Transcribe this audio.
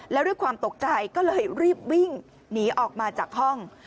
แล้วด้วยความตกใจก็เลยรีบวิ่งหนีออกมาจากห้อง